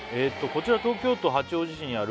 こちら「東京都八王子市にある」